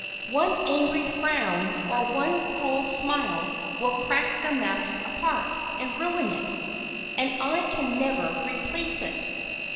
One angry frown or one cruel smile will crack the mask apart and ruin it, and I can never replace it."